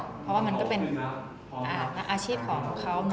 เพราะว่ามันก็เป็นอาชีพของเขา